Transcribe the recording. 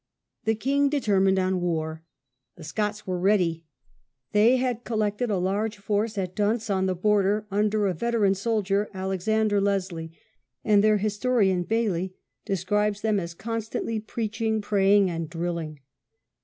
The king determined on war. The Scots were ready. They had collected a large force at Dunse, on the border, under a veteran soldier, Alexander Leslie, and their historian Baillie describes them as con 30 THE BISHOPS' WAR. stantly preaching, praying, and drilling.